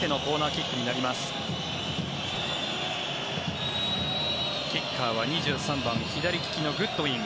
キッカーは２３番、左利きのグッドウィン。